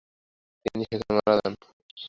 তিনি সেখানে মারা যান।